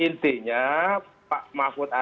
intinya pak mahfud azad